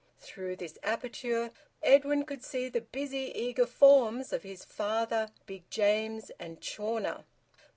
Through this aperture Edwin could see the busy, eager forms of his father, Big James, and Chawner.